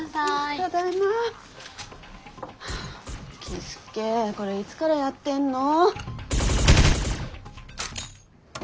樹介これいつからやってんの。